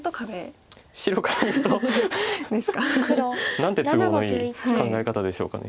何て都合のいい考え方でしょうかね。